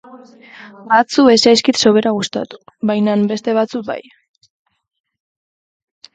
Batzu ez zaizkit sobera gustatu bainan beste batzu bai.